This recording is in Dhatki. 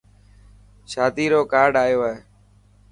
شادي رو ڪارڊآيو هي.